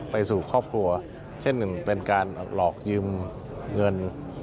ไปสู่ครอบครัวเช่นหนึ่งเป็นการหลอกยืมเงิน